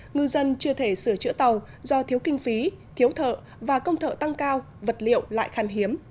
ngư dân chưa thể sửa chữa tàu do thiếu kinh phí thiếu thợ và công thợ tăng cao vật liệu lại khăn hiếm